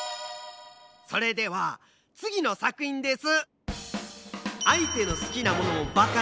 それではつぎのさくひんです。